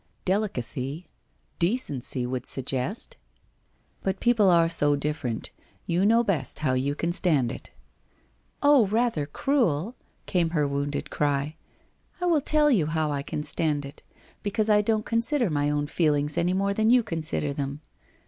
Delicacy — decency would suggest ? But people are so different. You know best how you can stand it/ ' Oh, rather cruel !' came her wounded cry. ' I will tell you how I can stand it. Because I don't consider my own feelings any more than you consider them.